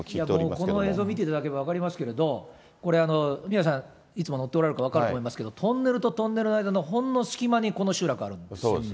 この映像を見ていただければ分かりますけども、これ、宮根さん、いつも乗っておられるから分かると思いますけど、トンネルとトンネルの間のほんの隙間にこの集落はあるんです。